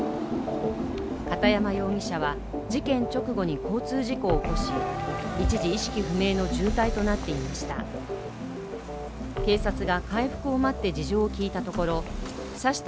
片山容疑者は事件直後に交通事故を起こし一時、意識不明の重体となっていました。